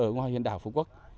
ngoài hiện đảo phú quốc